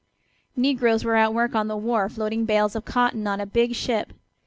Negroes were at work on the wharf loading bales of cotton on a big ship.